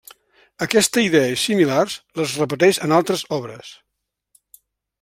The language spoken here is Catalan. Aquesta idea i similars, les repeteix en altres obres.